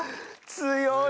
強い。